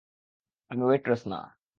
আমি ওয়েট্রেস না।